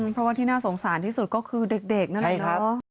เพราะว่าที่น่าสงสารที่สุดก็คือเด็กนั่นแหละครับ